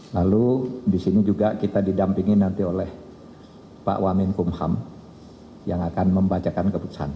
lalu disini juga kita didampingin nanti oleh pak wamin kumham yang akan membacakan keputusan